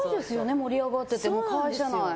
盛り上がってて、会社内。